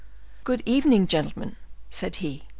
"Good evening, gentlemen," said he.